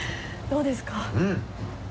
どうですか？